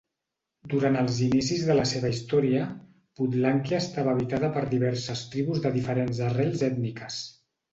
Durant els inicis de la seva història, Podlàquia estava habitada per diverses tribus de diferents arrels ètniques.